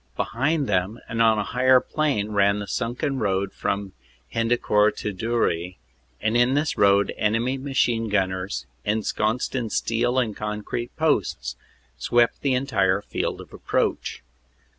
Be hind them, and on a higher plane, ran the sunken road from Hendecourt to Dury, and in this road enemy machine gunners, ensconced in steel and concrete posts, swept the entire field of approach.